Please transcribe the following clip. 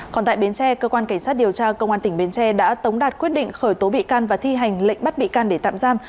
còn tại bến tre cơ quan cảnh sát điều tra công an tỉnh bến tre đã tống đạt quyết định khởi tố bị can và thi hành lệnh bắt bị can để tạm giam